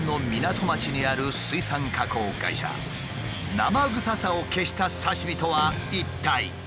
生臭さを消した刺身とは一体？